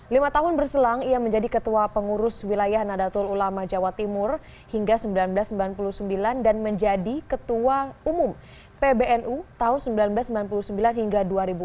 lima tahun berselang ia menjadi ketua pengurus wilayah nadatul ulama jawa timur hingga seribu sembilan ratus sembilan puluh sembilan dan menjadi ketua umum pbnu tahun seribu sembilan ratus sembilan puluh sembilan hingga dua ribu empat